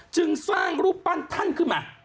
จึงสร้างรูปปั้นท่านขึ้นมา